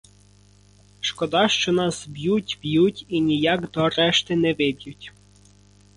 Шкода, що нас б'ють, б'ють і ніяк до решти не виб'ють.